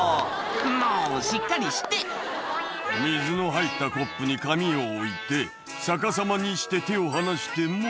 もうしっかりして「水の入ったコップに紙を置いて逆さまにして手を離しても」